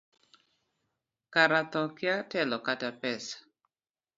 Kara thoo kia telo kata pesa.